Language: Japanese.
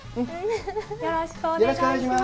よろしくお願いします。